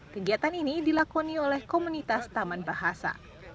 kegiatan ini dilakoni oleh komunitas taman bahasa